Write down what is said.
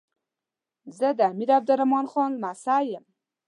زه د امیر عبدالرحمان لمسی یم.